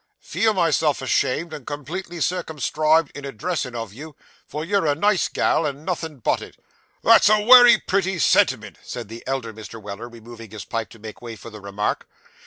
'"Feel myself ashamed and completely circumscribed in a dressin' of you, for you are a nice gal and nothin' but it."' 'That's a wery pretty sentiment,' said the elder Mr. Weller, removing his pipe to make way for the remark.